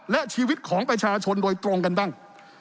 และชีวิตของประชาชนโดยตรงกันบ้าง